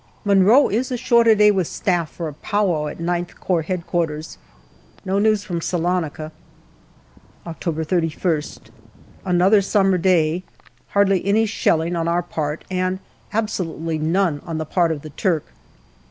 Munro is ashore to day with Staff for a pow wow at IX Corps H.Q. No news from Salonica. October 31st. Another summer day. Hardly any shelling on our part, and absolutely none on the part of the Turk.